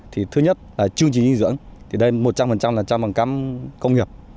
thì thứ nhất là chương trình dinh dưỡng thì đây một trăm linh là trăm bằng cám công nghiệp